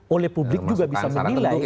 oleh publik juga bisa menilai